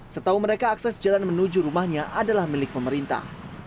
setahu mereka akses jalan menuju rumahnya adalah milik pemerintah